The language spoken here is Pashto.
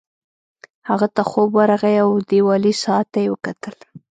هغه ته خوب ورغی او دیوالي ساعت ته یې وکتل